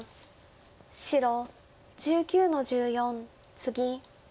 白１９の十四ツギ。